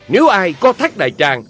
nếu ai cotac đại tràng